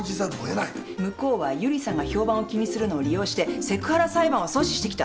向こうは由里さんが評判を気にするのを利用してセクハラ裁判を阻止してきた。